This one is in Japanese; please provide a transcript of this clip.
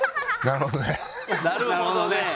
「なるほどね」。